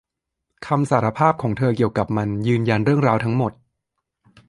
คำสารภาพของเธอเกี่ยวกับมันยืนยันเรื่องราวทั้งหมด